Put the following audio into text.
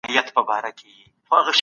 تاسي په خپلو کارونو کي پابندي لرئ.